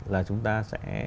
là chúng ta sẽ